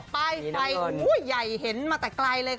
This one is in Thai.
ป้ายไฟใหญ่เห็นมาแต่ไกลเลยค่ะ